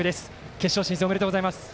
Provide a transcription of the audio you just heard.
決勝進出、おめでとうございます。